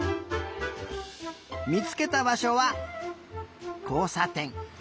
みつけたばしょはこうさてん。